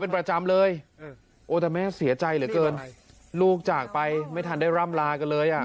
เป็นประจำเลยโอ้แต่แม่เสียใจเหลือเกินลูกจากไปไม่ทันได้ร่ำลากันเลยอ่ะ